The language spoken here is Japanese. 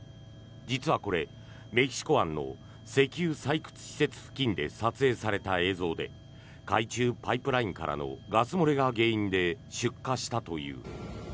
実はこれメキシコ湾の石油採掘施設付近で撮影された映像で海中パイプラインからのガス漏れが原因で出火したという。